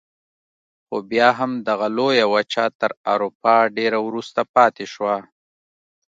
خو بیا هم دغه لویه وچه تر اروپا ډېره وروسته پاتې شوه.